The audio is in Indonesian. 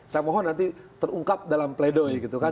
saya mohon nanti terungkap dalam play doh ini gitu kan